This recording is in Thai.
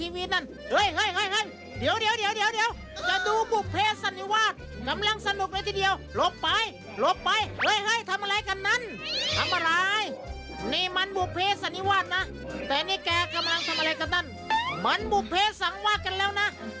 ววเท้าน้ำอ่ะเมียว